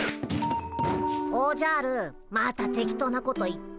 おじゃるまたテキトーなこと言って。